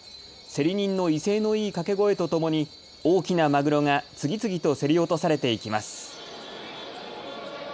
競り人の威勢のいい掛け声とともに大きなマグロが次々と競り落とされていきます。